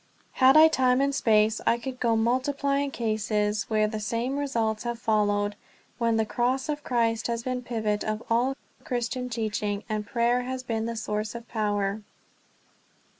Had I time and space I could go on multiplying cases where the same results have followed when the cross of Christ has been the pivot of all Christian teaching, and prayer has been the source of power.